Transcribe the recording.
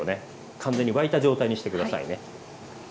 完全に沸いた状態にして下さいね。